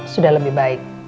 sudah lebih baik